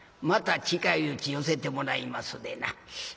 また近いうち寄せてもらいますでな」。